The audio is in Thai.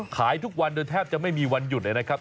ขายทุกวันโดยแทบจะไม่มีวันหยุดเลยนะครับ